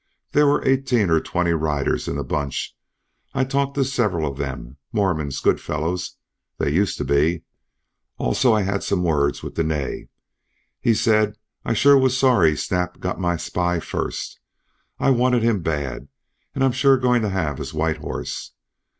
There were eighteen or twenty riders in the bunch. I talked to several of them, Mormons, good fellows, they used to be. Also I had some words with Dene. He said: 'I shore was sorry Snap got to my spy first. I wanted him bad, an' I'm shore goin' to have his white horse.'